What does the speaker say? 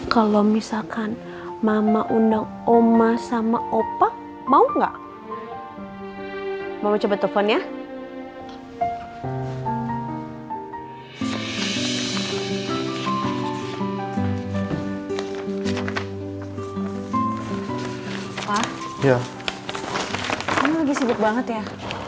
pak ini lagi sibuk banget ya